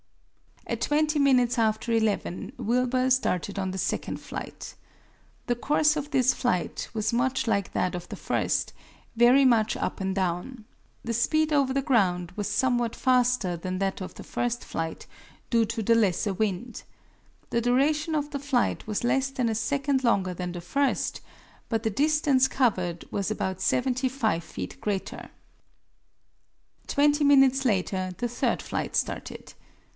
At twenty minutes after eleven Wilbur started on the second flight. The course of this flight was much like that of the first, very much up and down. The speed over the ground was somewhat faster than that of the first flight, due to the lesser wind. The duration of the flight was less than a second longer than the first, but the distance covered was about seventy five feet greater. Twenty minutes later the third flight started.